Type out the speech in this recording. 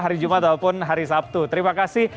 hari jumat ataupun hari sabtu terima kasih